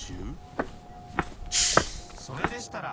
それでしたら！